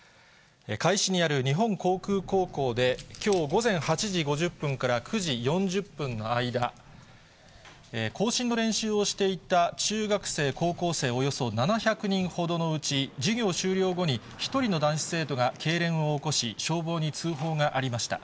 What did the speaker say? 甲斐市にある日本航空高校できょう午前８時５０分から９時４０分の間、行進の練習をしていた中学生、高校生およそ７００人ほどのうち、授業終了後に１人の男子生徒がけいれんを起こし、消防に通報がありました。